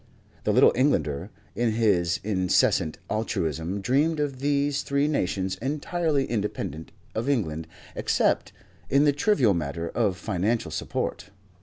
The Little Englander, in his insensate altruism, dreamed of these three nations entirely independent of England, except in the trivial matter of financial support.